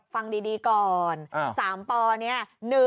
ฟังดีก่อน๓ปอเนี่ย